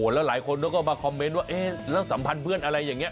แล้วหลายคนเขาก็มาคอมเมนต์ว่าเอ๊ะแล้วสัมพันธ์เพื่อนอะไรอย่างนี้